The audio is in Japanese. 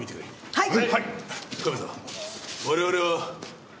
はい！